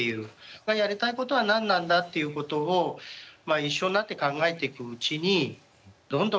やりたいことは何なんだっていうことをまあ一緒になって考えていくうちにどんどん周りに人が集まってきてですね。